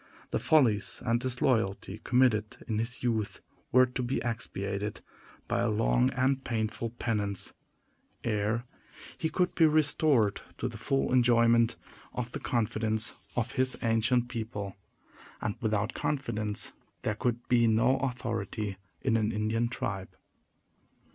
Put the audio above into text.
The follies and disloyalty committed in his youth were to be expiated by a long and painful penance, ere he could be restored to the full enjoyment of the confidence of his ancient people; and without confidence there could be no authority in an Indian tribe.